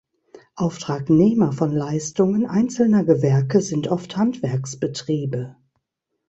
Auftragnehmer von Leistungen einzelner Gewerke sind oft Handwerksbetriebe.